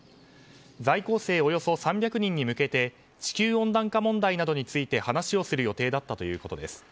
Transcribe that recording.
在校生およそ３００人に向けて地球温暖化問題などについて話をする予定だったということです。